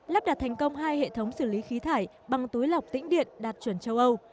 lắp đặt thành công hai hệ thống xử lý khí thải bằng túi lọc tĩnh điện đạt chuẩn châu âu